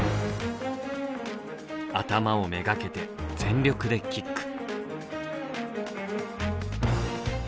頭を目がけて全力でキック。